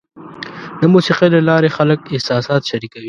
د موسیقۍ له لارې خلک احساسات شریکوي.